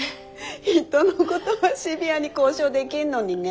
人のことはシビアに交渉できるのにね。